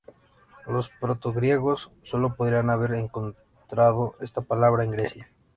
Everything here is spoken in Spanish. Los proto-griegos sólo podrían haber encontrado esta palabra en Grecia.